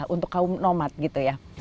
untuk kaum nomad